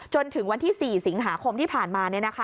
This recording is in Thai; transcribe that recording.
จนถึงวันที่๔สิงหาคมที่ผ่านมา